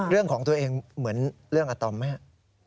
เรื่องของตัวเองเหมือนเรื่องอาตอมไหมครับ